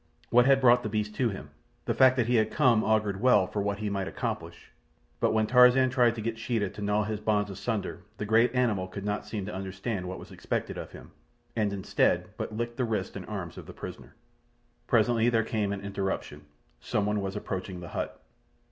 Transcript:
What had brought the beast to him? The fact that he had come augured well for what he might accomplish; but when Tarzan tried to get Sheeta to gnaw his bonds asunder the great animal could not seem to understand what was expected of him, and, instead, but licked the wrists and arms of the prisoner. Presently there came an interruption. Some one was approaching the hut.